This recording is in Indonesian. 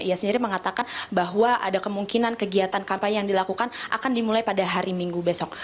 ia sendiri mengatakan bahwa ada kemungkinan kegiatan kampanye yang dilakukan akan dimulai pada hari minggu besok